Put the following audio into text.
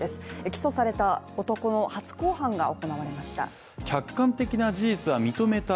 起訴された男の初公判が行われました。